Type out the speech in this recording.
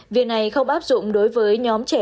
việc này không áp dụng đối với nhóm trẻ